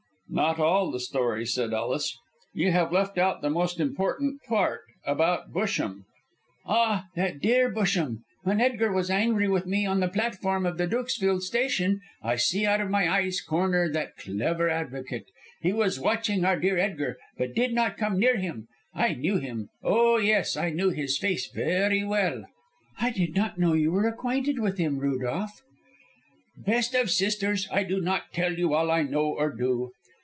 "Not all the story!" said Ellis. "You have left out the most important part about Busham." "Ah, that dear Busham. When Edgar was angry with me on the platform of the Dukesfield station, I see out of my eye's corner that clever advocate. He was watching our dear Edgar, but did not come near him. I knew him. Oh, yes, I knew his face very well." "I did not know you were acquainted with him, Rudolph!" "Best of sisters, I do not tell you all I know, or do.